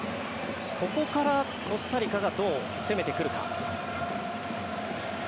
ここからコスタリカがどう攻めてくるか。